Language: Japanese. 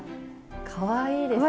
かわいいですね。